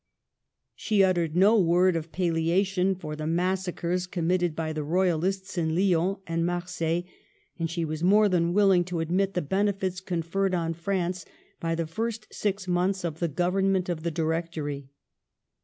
She uttered no word of palliation for the massa cres committed by the Royalists in Lyons and Marseilles, and she was more than willing to admit the benefits conferred on France by the first six months of the Government of the Directory.